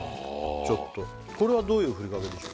ちょっとこれはどういうふりかけでしょう